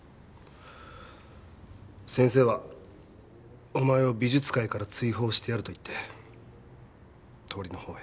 先生はお前を美術界から追放してやると言って通りの方へ。